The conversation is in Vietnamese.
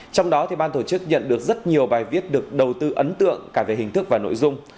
trong đó ban tổ chức nhận được rất nhiều bài viết được đầu tư ấn tượng cả về hình thức và nội dung